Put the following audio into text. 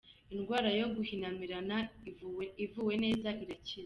Indwara yo guhinamirana ivuwe neza irakira